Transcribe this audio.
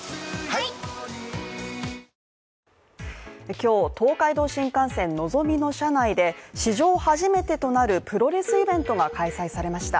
今日東海道新幹線のぞみの車内で史上初めてとなるプロレスイベントが開催されました。